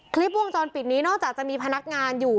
คลิปวงจรปิดนี้นอกจากจะมีพนักงานอยู่